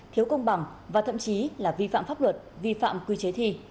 thiếu công bằng và thậm chí là vi phạm pháp luật vi phạm quy chế thi